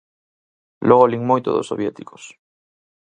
Logo lin moito dos soviéticos.